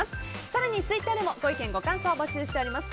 更にツイッターでもご意見、ご感想を募集しています。